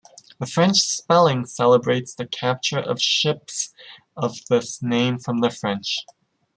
The French spelling celebrates the capture of ships of this name from the French.